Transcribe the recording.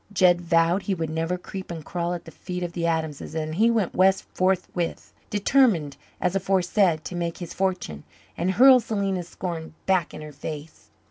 Jed vowed he would never creep and crawl at the feet of the Adamses, and he went west forthwith, determined, as aforesaid, to make his fortune and hurl Selena's scorn back in her face.